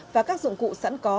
và các dụng cụ sẵn có